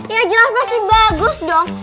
ya jelas pasti bagus dong